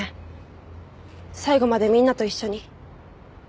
最後までみんなと一緒に。